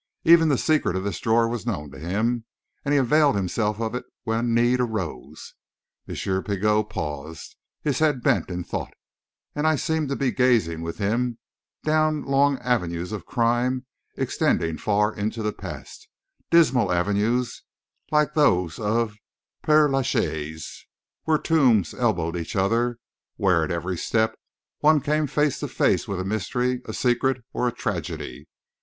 Even the secret of this drawer was known to him, and he availed himself of it when need arose." M. Pigot paused, his head bent in thought; and I seemed to be gazing with him down long avenues of crime, extending far into the past dismal avenues like those of Père Lachaise, where tombs elbowed each other; where, at every step, one came face to face with a mystery, a secret, or a tragedy.